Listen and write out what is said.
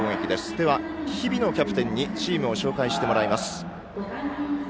では、日比野キャプテンにチームを紹介してもらいます。